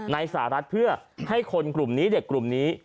สหรัฐเพื่อให้คนกลุ่มนี้เด็กกลุ่มนี้